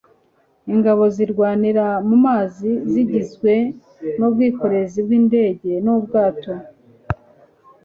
Ingabo zirwanira mu mazi zigizwe nubwikorezi bwindege n’ ubwato